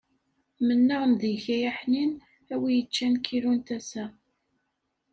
Mennaɣ-n deg-k ay aḥnin, a wi yeččan kilu n tasa.